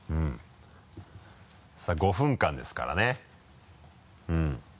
さぁ５分間ですからね。